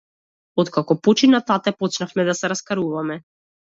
Откако почина тате, почнавме да се раскаруваме.